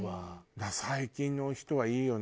だから最近の人はいいよね。